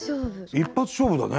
一発勝負だね。